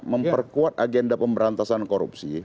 memperkuat agenda pemberantasan korupsi